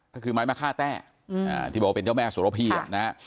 ก็คือไม้มะค่าแต้ที่บอกว่าเป็นเจ้าแม่สุรพีอ่ะนะฮะ